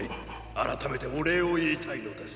改めてお礼を言いたいのです」。